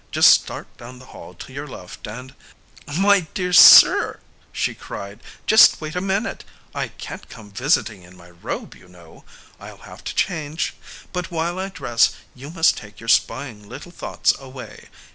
Just start down the hall to your left and ..." "My dear sir," she cried, "just wait a minute! I can't come visiting in my robe, you know; I'll have to change. But while I dress, you must take your spying little thoughts away.